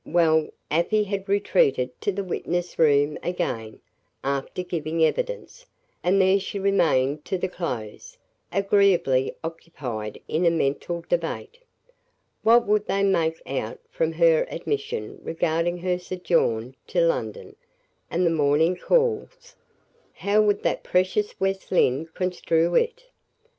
Well, Afy had retreated to the witness room again, after giving evidence, and there she remained to the close, agreeably occupied in a mental debate. What would they make out from her admission regarding her sojourn in London and the morning calls? How would that precious West Lynne construe it?